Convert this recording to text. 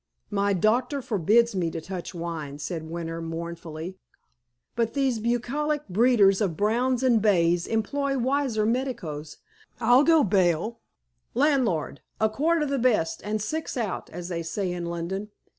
"My doctor forbids me to touch wine," said Winter mournfully. "But these bucolic breeders of browns and bays employ wiser medicos, I'll go bail. Landlord, a quart of the best, and six out, as they say in London."